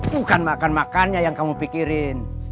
bukan makan makannya yang kamu pikirin